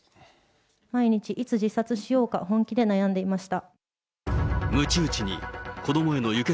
毎日いつ自殺しようか、本気で悩んでいました。